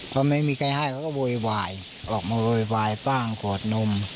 พอไม่มีใครให้เขาก็โวยวายออกมาโวยวายบ้างกอดนม